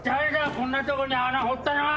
こんなとこに穴掘ったのは。